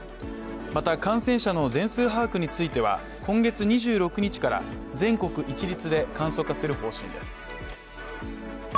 また、感染者の全数把握については今月２６日から全国一律で簡素化する方針です。